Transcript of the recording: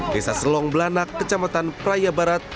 desa selong belanak kecamatan praia barat